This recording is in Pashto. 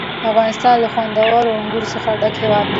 افغانستان له خوندورو انګورو څخه ډک هېواد دی.